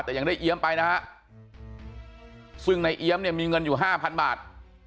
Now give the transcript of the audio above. แต่ยังได้เอี๊ยมไปนะฮะซึ่งในเอี๊ยมเนี่ยมีเงินอยู่ห้าพันบาท